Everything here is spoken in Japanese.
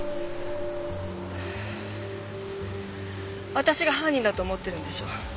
わたしが犯人だと思ってるんでしょ。